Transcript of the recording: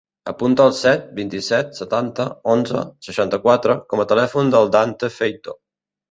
Apunta el set, vint-i-set, setanta, onze, seixanta-quatre com a telèfon del Dante Feito.